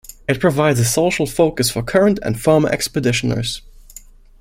It provides a social focus for current and former expeditioners.